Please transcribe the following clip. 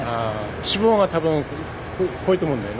脂肪が多分濃いと思うんだよな。